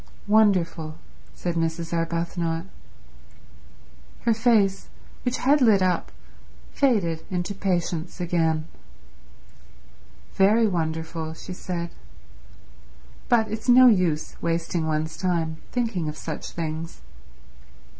"Wonderful," said Mrs. Arbuthnot. Her face, which had lit up, faded into patience again. "Very wonderful," she said. "But it's no use wasting one's time thinking of such things."